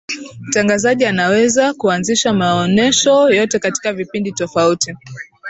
mtangazaji anawezi kuanzisha maonesho yote katika vipindi tofauti